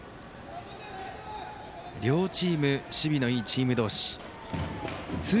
両チーム守備のいいチーム同士。